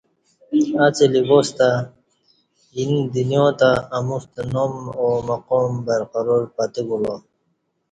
اڅلی واس تہ اینہ دنیا تہ اموستہ نام او مقام برقرار پتہ کولا